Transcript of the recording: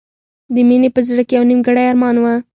د مینې په زړه کې یو نیمګړی ارمان و